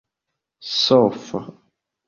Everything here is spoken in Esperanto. sofo